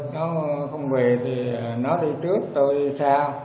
nó không về thì nó đi trước tôi đi sau